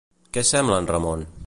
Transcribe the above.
Què sembla en Ramon?